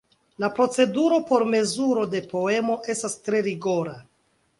La proceduro por mezuro de poemo estas tre rigora.